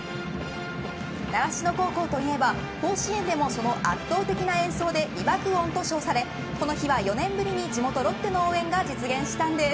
習志野高校といえば、甲子園でもその圧倒的な演奏で美爆音と称されこの日は４年ぶりに地元ロッテの応援が実現したんです。